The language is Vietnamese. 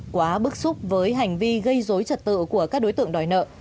quá bức xúc với hành vi gây dối trật tự của các đối tượng đòi nợ